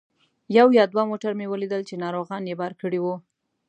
یو یا دوه موټر مې ولیدل چې ناروغان یې بار کړي وو.